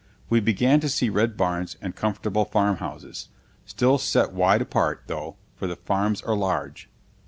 We began to see red barns and comfortable farmhouses, still set wide apart, though, for the farms are large.